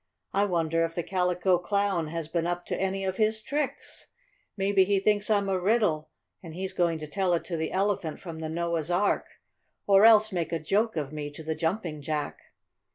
I wonder if the Calico Clown has been up to any of his tricks? Maybe he thinks I'm a riddle, and he's going to tell it to the Elephant from the Noah's Ark, or else make a joke of me to the Jumping Jack.